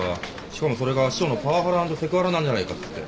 しかもそれが市長のパワハラ＆セクハラなんじゃないかっつって。